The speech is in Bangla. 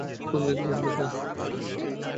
আমি একজন বেকার।